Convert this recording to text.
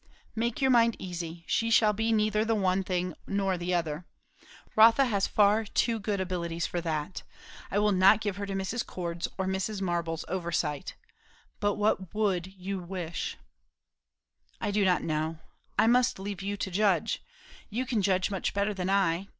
"Make your mind easy. She shall be neither the one thing nor the other. Rotha has far too good abilities for that. I will not give her to Mrs. Cord's or Mrs. Marble's oversight. But what would you wish?" "I do not know. I must leave you to judge. You can judge much better than I.